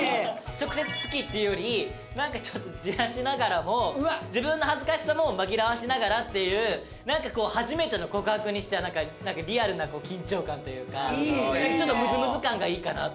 直接好きって言うよりなんかちょっとじらしながらも自分の恥ずかしさも紛らわせながらっていうなんかこう初めての告白にしてはなんかリアルな緊張感というかちょっとムズムズ感がいいかなと思って。